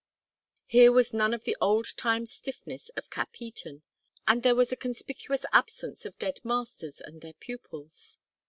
Here was none of the old time stiffness of Capheaton, and there was a conspicuous absence of dead masters and their pupils.